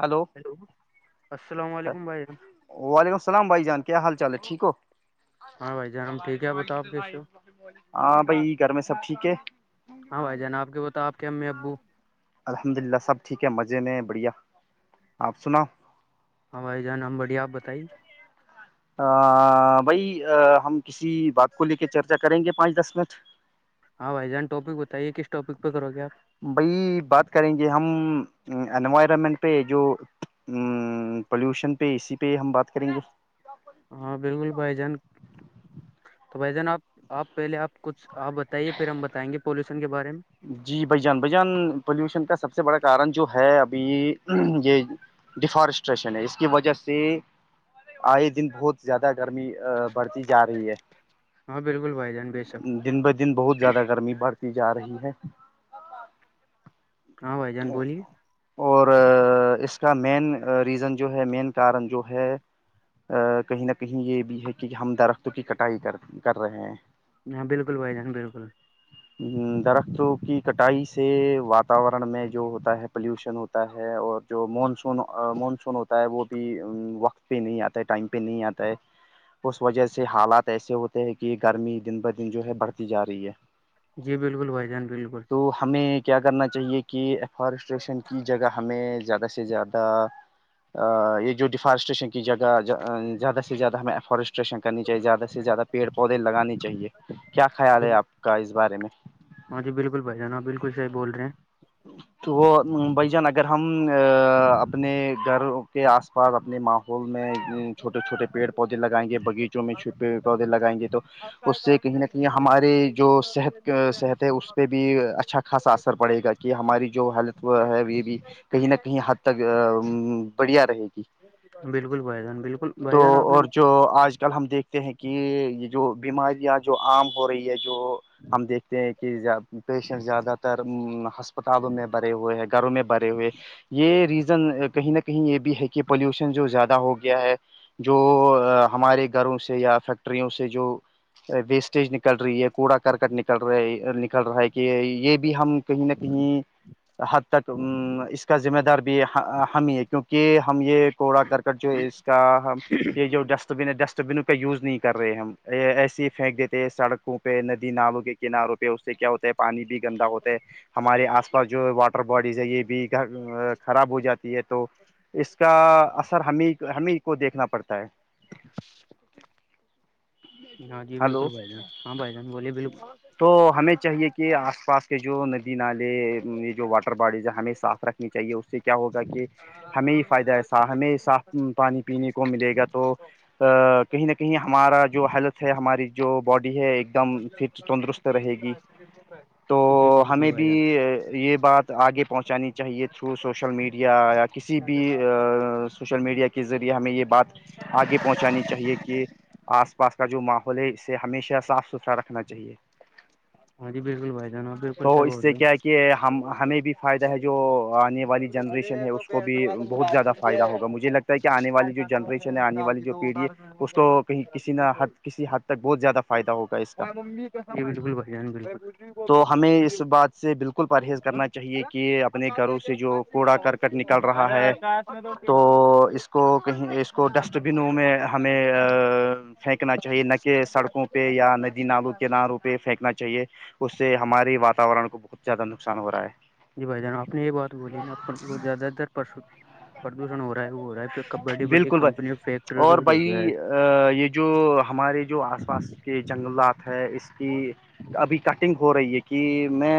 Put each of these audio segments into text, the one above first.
hello hello السلام علیکم بھائی وعلیکمسلامھائی جان کیا حال چال ہے ٹھیک ہو ہاں بھائی جان ٹھیک ہے بتا آپ کیشیو ہاں بھائی گھر میں سب ٹھیک ہے ہاں بھائی جان آپ کے بتاؤ آپ کے امی ابو الحمد للہ سب ٹھیک ہے مزے میں بڑھیا آپ سنا [unintelligible] ہ بائی جہان نام بڑھیا آپ بتائیے ا بائی ہم کسی بات کو لے کے چرچا کریں گے پانچ دس منٹ ہاں بھائی جان ٹپک بتائیے کس ٹاپ پہ کروے آپ بئی بات کریں گے ہم انوائرمنٹ پہ جو پولوشن پہ اسی پہ ہم بات کریں گے ہاں بالکل بھائی جان تو بھائی جان آپ آپ پہلے آپ کچھ آپ بتائیے پھر ہم بتائیں گے پولوشن کے بارے میں جی بھائی جان بھ جان پولوشن کا سب سے بڑا کارن جو ہے ابھی یہ [unintelligible] ڈیفارسٹریشن ہے اس کی وجہ سے آئے دن بہت زیادہ گرمی بڑھتی جا رہی ہے ہاں بالکل بھائی جان بے شک دن ب دن بہت زیادہ گرمی بڑھتی جا رہی ہے ہاں بھائی جان بولیے اور اس کا مین ریزن جو ہے مین کارن جو ہے ا کہیں نہ کہیں یہ بھی ہے کہ ہم درختوں کی کٹائی کر کر رہے ہیں ہاں بالکل بھائی جان بالکل [unintelligible] ہ درختوں کی کٹائی سے واتاورن میں جو ہوتا ہے پلیوشن ہوتا ہے اور جو مانسون مانسون ہوتا ہے وہ بھی وقت پہ نہیں آتا ٹائم پہ نہیں آتا ہے اس وجہ سے حالات ایسے ہوتے ہیں کہ گرمی دن بہ دن جو ہے بڑھتی جا رہی ہے جی بالکل بھائی جان بالکل تو ہمیں کیا کرنا چاہیے کہ ایفارسٹریشن کی جگہ ہمیں زیادہ سے زیادہ یہ جو ڈیفارسٹیشن کی جگہ زیادہ سے زیادہ ہمیںفارسٹ کرنی چاہیے زیادہ سے زیادہ پیڑ پودے لگانے چاہیے کیا خیال جی ہے آپ کا اس بارے میں ہاں جی بالکل بھائی جانا بالکل صح بول رہے ہیں تو تو وہ بھائی جان اگر ہم اپنے گھر کے آس پاس اپنے ماں ول میں چھوٹے چھوٹ پڑ پودے لگائیں گے بغیچوں میں پیڑ پودے لگائیں گے تو اس سے کہیں نہ کہیں ہمارے جو صحت صحت ہے اس پہ بھی اچھا خاصا اثر پڑے گا کہ ہماری جو ہیلت ہے یہ بھی کہیں نہ کہیں حد تک بڑھیا رہے گی بالکل بھائی جان بالکل تو بھائی جان آپ نے اور جو آج کل ہم دیکھتے ہیں کہ یہ جو بیماریاں جو عام ہو رہی ہے جو ہم دیکھتے ہیں کہ پیشنٹ زیادہ تر ہ کتابوں میں بھرے ہوئے گھروں میں بھرے ہوئے یہ یہ ریزن کہیں نہ کہیں یہ بھی ہے کہ پولوشن جو زیادہ ہو گیا ہے جو ہمارے گھروں سے یا فیکٹریوں سے جو ویسٹیج نکل نکل رہی ہے کوڑا کرکٹ نکل رہا نکل رہا ہے کہ یہ بھی ہم کہیں نہ کہیں حد تک اس کا ذمہ دار بھی ہم ہی ہے کیونکہ ہم یہ کوڑا کرکٹ جو کیا یہ جو ڈسٹ بن ہے ڈسٹ بنوں کا یوز نہیں کر رہے ہم ایسیے ہی پھینک دیتے ہیں سڑکوں پہ ندی نالوں کے کناروں پہ اس سے کیا ہوتا ہے پانی بھی گندا ہوتا ہے ہمارے آس پاس جو واٹر باڈیز ہے یہ بھی گ خراب ہو جاتی ہے تو اس کا اثر ہمیں ہمیں کو دیکھنا پڑتا ہے ہاں جی ہلو بالکل بھائی جان ہاں بھائی جان بولیے بالکل تو ہمیں چاہیے کہ آس پاس کے جو ن [unintelligible] نالے یہ جو واٹر باڈیز ہے ہمیں صاف رکھنی چاہیے اس سے کیا ہوگا کہ ہمیں ہی فائدہ ایسا ہمیں صاف پانی پینے کو ملے گا تو کہیں نہ کہیں ہمارا جو ہیلتھ سے ہماری جو باڈی ہے ایک دم فٹ تندرست رہے گی جی تو بالکل ہمیں بھائی بھی جان یہ بات آگے پہنچانی چاہیے تھرو سوشل میڈیا یا کسی بھی سوشل میڈیا کے ذریعے ہمیں یہ بات آگے پہنچانی چاہیے کہ آس پاس کا جو ماحول ہے اسے ہمیشہ صاف ستھرا رکھنا چاہیے ہاں جی بالکل بھائی جانب بالکل تو صحب اس سے کیا ہے کہ ہم ہمیں بھی فائدہ ہے جو آنے والی ے جنریشن ہے تو اس پ کو بھی کے بعد بہت زیادہ ملازم [unintelligible] فائدہ ہوگا مجھے لگتا ہے کہ آنے پ والی جو ک جنریشن ہے آنے ڈال والی جو پیڑھی ہے د ڈار اس کو کہیں کسی نہ حد [unintelligible] کسی حد تک بہت زیادہ فائدہ ہوگا اس کا ممی بک بھ [unintelligible] مجھ بھی بت تو ہمیں اس بات سے بالکل پرہیز کرنا چاہیے کہ اپنے گھروں سے جو کوڑا کرکٹ آکش نکل رہا ارے ہے تو اس کو کہیں اس کو ڈسٹ بنوں میں آش ہمیں [unintelligible] [unintelligible] پھینکنا چاہیے نہ کہ سڑکوں پہ یا ندی نالوں کناروں پہ پھینک نا چاہیے اس سے ہماراری واتاورن کو بہت زیادہ نقصان ہو رہا ہے جی بھائی جانبپ نے یہ بات بولی ہے نا وہ زیادہ در پرسو پردوشن ہو رہا ہے وہ ہو رہا ہے پ بڑی بڑی بالکل بھائی کمپنیوں فیکٹریوں کی اور وجہ بھائی سے ہوا ہے یہ جو ہمارے جو آس پاس کے جنگلات ہے اس کی ابھی کٹنگ ہو رہی ہے کہ میں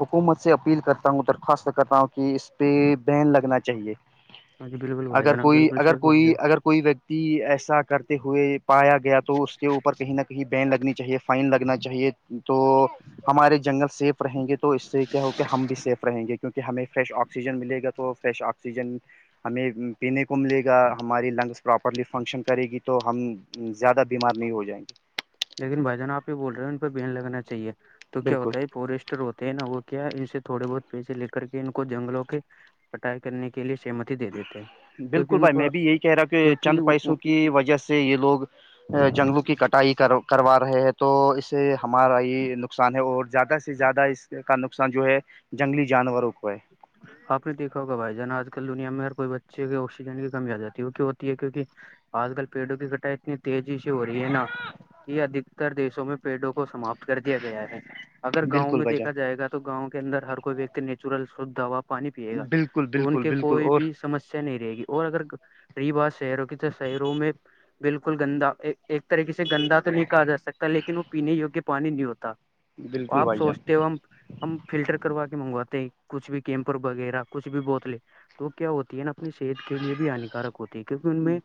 حکومت سے اپیل کرتا ہوں درخواست کرتا ہوں کہ اس پہ بن لگنا چاہیے ہاںی بالکل [unintelligible] اگر کوئی بالکل اگر صحیح بول رہے کوئی ہو اگر کوئی ویکتی ایسا کرتے ہوئے پایا گیا تو اس کے اوپر کہیں نہ کہیں بین لگنی چاہیے فائن لگنا چاہیے تو ہمارے جنگلیف رہیں گے تو اس سے کیا ہو کہ ہم بھی سیف رہیں گے کیونک ہمیں فریش آکسیجن ملے گا تو فریش آکسی آکسیجن ہمیں پینے کو ملے گا ہماری لنگس پراپرلی فنکشن کرے گی تو ہم زیادہ بیمار نہیں ہو جائیں گے لیکن بھائی جان آ یہ بول رہے ہیں ان پہ بین لگانا چاہیے تو کیا بالکل ہوتا ہے یہ فورسٹر ہوتا نہ ہو کیا ان سے تھوڑے بہت پیسے لے کر کے ان کو جنگلوں کے پٹائی کرنے کے لیے سہمت دے دیتے ہیں کیونکہ بالکل ان بھائی کو میں بھی یہی کہہ رہا ہ کہ چند کیونکہ پیسوں کی وجہ سے یہ لوگ جنگلوں کی کٹائی کر کروا رہے ہیں تو اس سے ہمارا یہ نقصان ہے اور زیادہ سے زیادہ اس کا ن نقصان جو ہے جنگلی جانوروں کو ہے آ نے دیکھا ہوگ بھائی جان آج کل دنیا میں ہر کوئی بچے آکسیجن کی کمی آ جاتی ہے وہ کی ہوتی ہے کیوںک آج کل پیڑوں کی کٹائی اتنی تیزی سے ہو رہی ہے نا کہ ادھکتر دیشوں میں پیڑوں کو سماپت کر دیا گیا ہے اگر گاؤں بالکل میں بھائی دیکا جائے گا تو گاؤں کے اندر ہر کوئی ویکتی نیچرل شھ دا پانی پیے گا جان بالکل تو ان بالکل کے بالکل کوئی اور بھی سمسیا نہیں رہے گی اور اگر رہی بات شہروں کی تو شہروں میں بالکل گندا ایک ایک طریقے سے گندا تو نہیں کہا جا سکتا لیکن وہ پینے یگیہ پانی نہیں ہوتا بالکل آپ بھائی جان سوچتے ہو ہم ہم فلٹر کروا کے منگواتے ہیں کچھ بھی کیمپر وغیرہ کچھ بھی بوتلیں تو کیا ہوتی ہے نا اپنی صحت کے لیے بھی ہانیکارک ہوتی ہے کیونکہ ان میں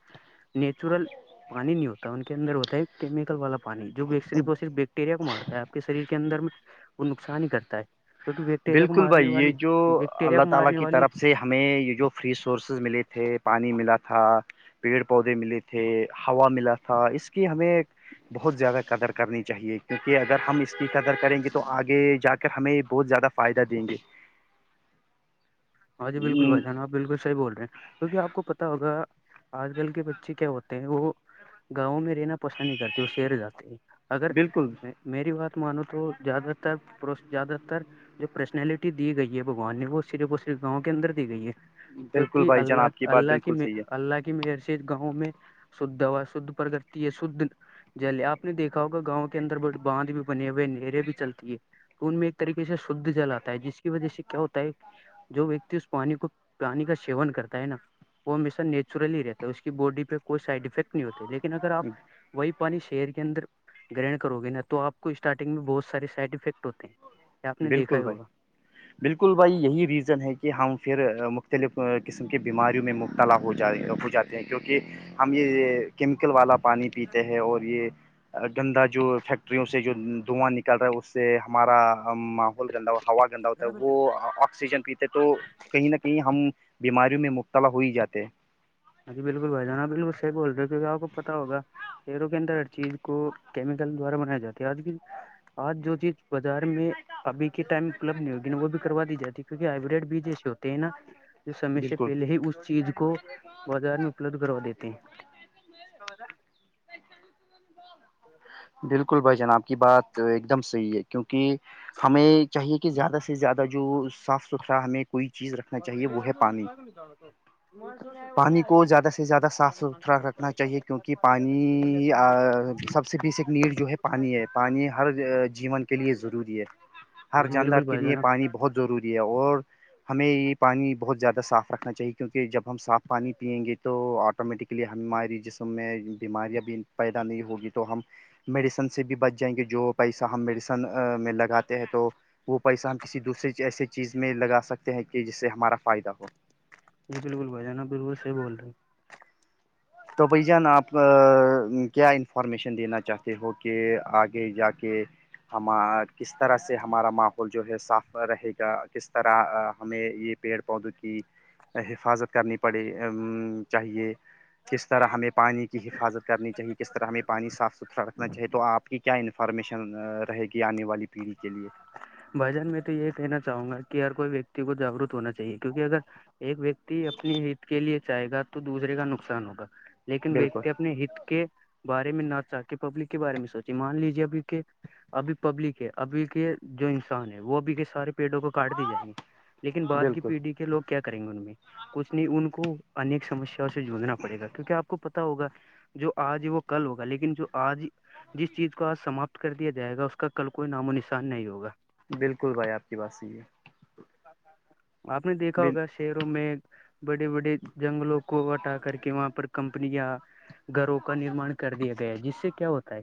نیچرل پانی نہیں ہوتا ان کے اندر ہوتا ہے کیمکل والا پانی جو صرف وہ صرف بیکٹیریا کو مارتا ہے آپ کے شریر کے اندر میں وہ نقصان ہی کرتا ہے توبیکٹیریا کو بالکل مار یہ جو اللہ تعالی کی طرف سے ہمیں یہ جو فری سورسز ملے تھے پانی ملا تھا پیڑ پودے ملے تھے ہوا مل تھا اس کی ہمیں بہت زیادہ قدر کرنی چاہیے کیونکہ اگر ہم اس کی ادر کریں گے تو آگے جا کر ہمیں بہت زیادہ فائدہ دیں گے ہاں جی بالکل بھائی جان آپ بالکل صحی بول رہے ہیں کیونکہ آپ کو پتا ہوگا آج کل کے بچے کیا ہوتے ہیں وہ گاؤں میں رہنا پس نہیں کرتے وہ سیر جاتے ہیں اگر بالکل میری بات مانو تو زیادہ تر زیادہ تر جو پرسنالٹی دی گئی ہے بگوان نے وہ صرف اور صرف گاؤں کے اندر دی گئی ہے بالکل کیونکہ بھائی جان آپ اللہ بات اللہ کی بالکل صحیح اللہ کی مر گاؤں میں شھ ہا شھ پرگتی ہے شھ جلے آپ نے دیکھا ہوگا گاؤں کے اندر بڑ باندھ بھی بنے ہوئے ہیں نہرے بھی چلتی ہے ان میں ایک طریقے سے شدھ جل آتا ہے جس کی وجہ سے کیا ہوتا ہے جو ویکتی اس پانی کو پانی کا سیون کرتا ہے نا وہ ہمیشہ نیچرلی رہتا ہے اس کی باڈی پہ کوئی سائڈ افیکٹ نہیں ہوتا لیکن اگر آپ ہے وئی پانی شیر کےدر گرہن کرو گے نا تو آپ کو اسٹارٹنگ میں بہت سارے سائڈ افیکٹ ہوتے ہیں یہ آپ نے دیکھا بالکل ہی بھائی بالکل بھائی یہی ریزن ہے کہ ہم پھر مختلف قسم کے بیماریوں میں مبتلا ہو جا ہو جاتے کیونکہ ہم یہ کیمیکل والا پانی پیتے ہیں اور یہ گندہ جو فیکٹریوں سے جو دھواں نکل رہا ہے اس سے ہمارا ماحول گندا ہو ہوا گندا ہوتا ہے وہ ہوگا آکسیجن پیتے تو کہیں نہ کہیں ہم بیماریوں میں مبتلا ہو ہی جاتے جی بالکل بھائی جان آ بالکل صح بول رہے ہو کیونکہ آپ کو پتا ہوا شہروں کے اندر ہر چیز کو کیمیکل دوارا بنایا جاتی ہے آج کی آج جو چیز بازار میں اب کے ٹائم اپلبد نہیں ہوگی وہ بھی کروا دی جاتی ہے کیکہ ہبریڈ بیج ہے ش نا جو سمے سے بالکل پہلے ہی اس چیز کو بازار میں اپلبد کروا دیتے ہیں ہوودا ج [unintelligible] بالکل بھائی جان آپ کی بات ایک دم صحیح ہے کیونکہ ہمیں چاہیے کہ زیادہ سے زیادہ جو صاف ستھرا ہمیں کوئی چیز رکھنا چاہیے وہ ہے پانی پانی کو زیادہ سے زیادہ صاف ستھرا رکھ نا چاہیے کیونکہ پانی سب سے بیسک نیڈ جو ہے پانی ہے پانی ہر جیون کے لیے ضروری ہے ہاں ہر جی جاندار بالکل کے بھائی لیے جان پانی آپ بہت ضروری اور ہمیں یہ پانی بہت زیادہ صاف رکھنا چاہیے کیونکہ جب ہم صاف پانی پئیں گے تو آٹومیٹکلی ہماری جسم میں بیماریاں بھی پیدا نہیں ہوگی تو ہم میڈیسن سے بھی بچ جائیں گے جو پیسہ ہم میڈیسن میں لگاتے ہیں تو وہ پیسہ ہم کسی دوسے ایسے چیز میں لگا سکتے ہیں کہ جس سے ہمارا فائدہ ہو جی بالکل بھائی جانہ بو سے بول رہے ہیں تو بھائی جان آپ کیا انفارمیشن دینا چاہتے ہو کہ آگے جا کے ہم کس طرح سے ہمارا ماں وہ جو ہے صاف رہے گا کس طرح ہمیں یہ پیڑ پودوں کی حفاظت کرنی پڑے چاہیے کس طرح ہمیں پانی کی حفاظت کرنی چاہیے کس طرح ہمیں پانی صاف ستھرا رکھنا چاہے تو آپ کی کیا انفارمیشن رہے گی آنے والی پیڑھی کے لیے بھائی جان میں تو یہ کہنا چاہوں گا کہ ہر کوئی ویکتی کو جاگرک ہونا چاہیے کیونکہ اگر ایک ویکتی اپنے ہت کے لیے چاہے گا تو دوسرے کا نقصان ہوگا لیکن بالکل ویکتے اپنے ہت کے بارے میں نہ چاہ کے پبلک کے بارے میں سوچے مان لیجیے اب کے ابھی پبلک ہے ابھی کے جو انسان ہے وہ ابھی کے سارے پیڑوں کو کاٹ دیے جائیں گے لیکن بعد کی بالکل پیڑھی کے لوگ کیا کریں گے ان میں کچھ نہیں ان کو انیک سمسیا اس سے جوڑنا پڑے گا کیونکہ آپ کو پتا ہوگا جو آج وہ کل ہوگا لیکن جو آج جس چیز کو آج سماپت کر دیا جائے گا اس کا کل کوئی نام و نشان نہیں ہوگا بالکل بھائی آپ کی بات صحی ہے آپ نے دیکھا بال ہوگا شیب میں بڑے بڑے جنگلوں کو ہٹا کر کے وہاں پر کمپنیاں گھروں کا نرماان کر دیا گیا ہے جس سے کیا ہوتا ہے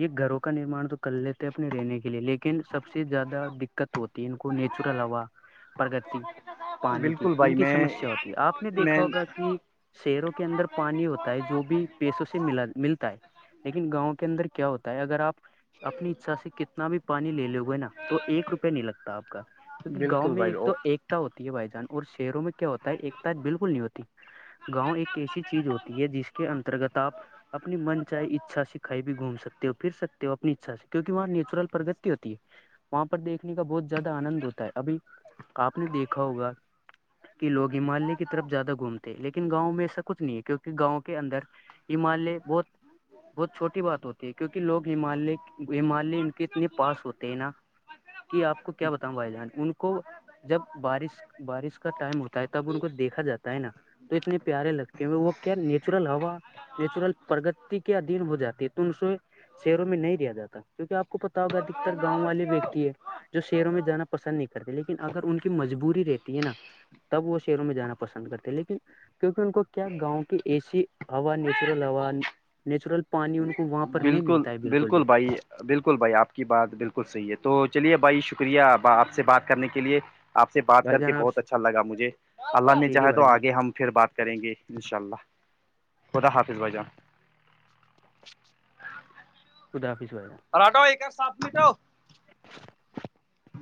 یہ گھروں کا نرمان تو کر لیتے ہیں اپنے رہنے کے لیے لیکن سب سے زیادہ دقت ہوتی ہے ان کو نیچرل ہوا پرگتی پانی کی بالکل ان بھائی کی میں سمسیا ہوتی ہے آپ نے میں دیکھا ہوگا کہ شہروں کے اندر پانی ہوتا ہے جو بھی پیسوں سے ملا ملتا ہے لیکن گاؤں کے اندر کیا ہوتا ہے اگر آپ اپنی اچھا سے کتنا بھی پانی لے لے ہو گئے نا تو ایک روپئے نہیں لگتا آپ کا کیونکہ گاؤں بالکل میں بھائی ایک او تو ایکتا ہوتی ہے بھائی جان اور شہروں میں کیا ہوتا ہے ایکتا بالکل نہیں ہوتی گاؤں ایک ایسی چیز ہوتی ہے جس کے انترگت آپ اپنی من چاہے اچھا سے کھائی بھی گھوم سکتے ہو پھر سکتے ہو اپنی اچھا سے کیوںک وہاں نیچرل پرگتی ہوتی ہے وہاں پر دیکھنے کا بہت زیادہ آنند ہوتا ہے ابھی آپ نے دیکھا ہوگا کہ لوگمالیہ کی طرف زیادہ گھومتے ہیں لیکن گاؤں میں ایسا کچ نہیں ہے کیونکہ گاؤں کے اندر ہمالیہ بہت بہت چھوٹی بات ہوتی ہے کیونکہ لوگ ہمالیہ ہمالیہ ان کی اتنے پاس ہوتے تینا کہ آپ کو کیا بتاؤں بھائی جان ان کو [unintelligible] جب بارش بارش کا ٹائم ہوتا ہے تب ان کو دیکھا جاتا ہے نا تو اتنے پیارے لگتے ہیں وہ کیا نیچرل ہوا نیچرل پرگتی کے ادھیین ہو جاتی ہے تو انے شیروں میں نہیں دیا جاتا کیوںکہ آپ کو پتا کا ادکتر گاؤں والے ویکتی ہے جو شہروں میں جانا پ پسند نہیں کرتے لیکن اگر ان کی مجبوری رہتی ہے نا تب وہ شہروں میں جانا پسند کرتے لیکن کیونکہ ان کو کیا گاؤں کی اے سی ہا نیچرل ہا نیچرل پانی ان کو وہاں پر نہیں بالکل ملتا ہے بالکل بھی بھائی بالکل بھائی آپ کی بات بالکل صحیح ہے تو چلیے بھائی شکریہ آپ سے بات کرنے کے لیے آپ سے بات بھائی کر کے جان آپ بہت اچھا لگا مجھے اللہ نے ٹھیک ہے چاہے تو بھائی جان آگے ہم پھر بات کریں گے ان شاء اللہ خدا حافظ بھائی جان تووددافسو آ [unintelligible] راٹو ایک سات مٹا [inaudible]